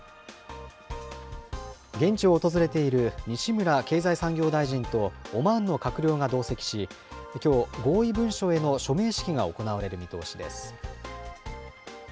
現地を訪れている西村経済産業大臣とオマーンの閣僚が同席し、きょう、合意文書への署名式が行われる見通しです。